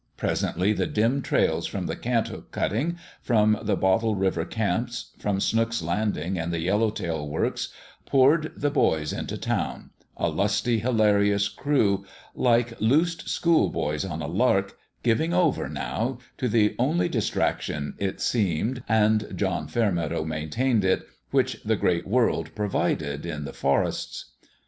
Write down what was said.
Presently the dim trails from the Cant hook cutting, from the Bottle River camps, from Snook's landing and the Yellow Tail works, poured the boys into town a lusty, hilarious crew, like loosed school boys on a lark, giving over, now, to the only distractions, it seemed and John Fairmeadow maintained it which the great world provided in the forests.